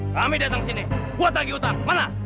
kami datang sini buat lagi utang mana